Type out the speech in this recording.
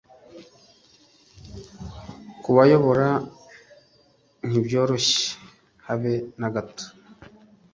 kubayobora ntibyoroshye habe nagato